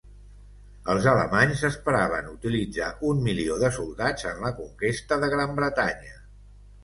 Els alemanys esperaven utilitzar un milió de soldats en la conquesta de Gran Bretanya.